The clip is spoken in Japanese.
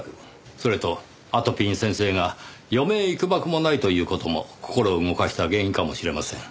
それとあとぴん先生が余命いくばくもないという事も心を動かした原因かもしれません。